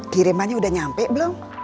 kirimannya udah nyampe belum